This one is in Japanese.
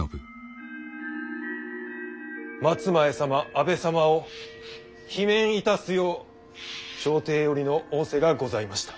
松前様阿部様を罷免いたすよう朝廷よりの仰せがございました。